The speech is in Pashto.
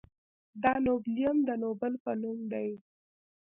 د نوبلیوم د نوبل په نوم دی.